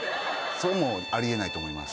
それはもうあり得ないと思います。